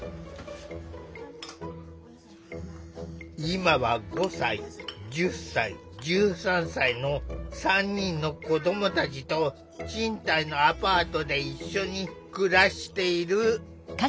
今は５歳１０歳１３歳の３人の子どもたちと賃貸のアパートで一緒に暮らしている。